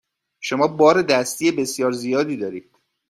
شما بار دستی بسیار زیادی دارید.